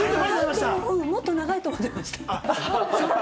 もっと長いと思ってました。